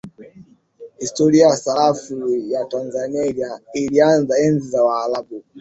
historia ya sarafu ya tanzania ilianza enzi za waarabu